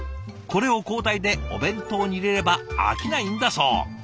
これを交代でお弁当に入れれば飽きないんだそう。